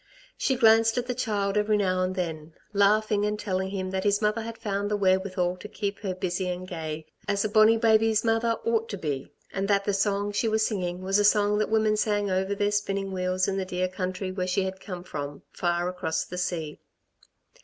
She glanced at the child every now and then, laughing and telling him that his mother had found the wherewithal to keep her busy and gay, as a bonny baby's mother ought to be, and that the song she was singing was a song that the women sang over their spinning wheels in the dear country that she had come from, far across the sea.